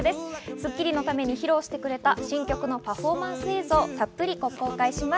『スッキリ』のために披露してくれた新曲のパフォーマンス映像をたっぷり公開します。